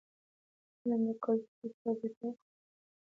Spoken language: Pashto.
فلم د کلتور استازیتوب کوي